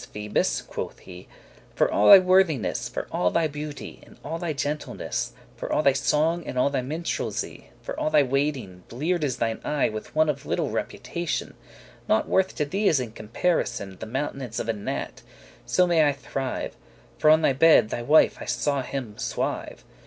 Phoebus," quoth he, "for all thy worthiness, For all thy beauty, and all thy gentleness, For all thy song, and all thy minstrelsy, *For all thy waiting, bleared is thine eye* *despite all thy watching, With one of little reputation, thou art befooled* Not worth to thee, as in comparison, The mountance* of a gnat, so may I thrive; *value For on thy bed thy wife I saw him swive."